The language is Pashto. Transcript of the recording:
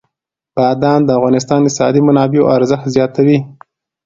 بادام د افغانستان د اقتصادي منابعو ارزښت زیاتوي.